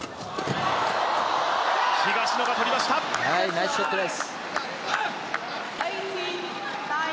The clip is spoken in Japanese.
ナイスショットです。